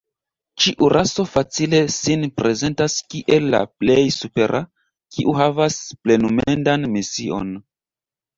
Ĉiu raso facile sin prezentas kiel la plej supera, kiu havas plenumendan mision.